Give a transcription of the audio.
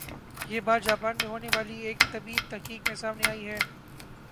یہ بات جاپان میں ہونے والی ایک طبی تحقیق میں سامنے آئی ہے